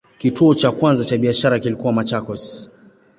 Kituo cha kwanza cha biashara kilikuwa Machakos.